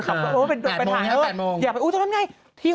ขับรถไปถ่ายเยอะอยากไปตอนนั้นไง